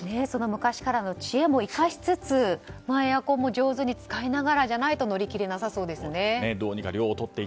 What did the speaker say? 昔からの知恵をエアコンも上手に使いながらじゃないと乗り切れなさそうですね。